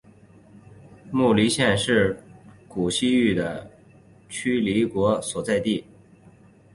尉犁县是古西域的渠犁国所在地。